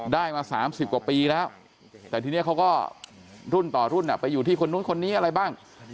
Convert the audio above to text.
ได้มา๓๐กว่าปีแล้วแต่ทีนี้เขาก็รุ่นต่อรุ่นไปอยู่ที่คนนู้นคนนี้อะไรบ้าง